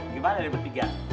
gimana dari bertiga